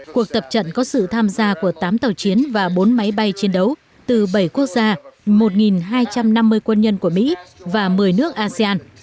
cuộc tập trận có sự tham gia của tám tàu chiến và bốn máy bay chiến đấu từ bảy quốc gia một hai trăm năm mươi quân nhân của mỹ và một mươi nước asean